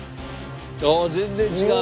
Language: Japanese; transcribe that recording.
あっ全然違う。